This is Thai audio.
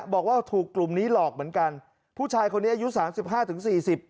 บอกว่าถูกกลุ่มนี้หลอกเหมือนกันผู้ชายคนนี้อายุสามสิบห้าถึงสี่สิบ